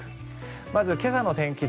まず今朝の天気図。